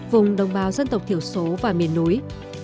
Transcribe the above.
vùng đồng bào dân tộc thiểu số và miền núi